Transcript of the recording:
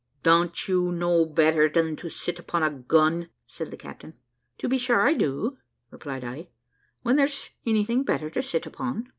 `Don't you know better than to sit upon a gun?' said the captain. `To be sure I do,' replied I, `when there's anything better to sit upon.'